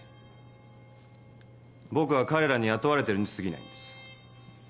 僕は彼らに雇われているに過ぎないんです。